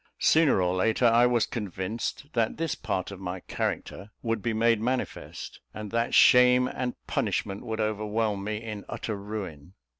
Sooner or later I was convinced that this part of my character would be made manifest, and that shame and punishment would overwhelm me in utter ruin.